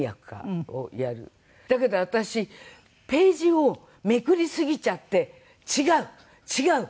だけど私ページをめくりすぎちゃって「違う！違う！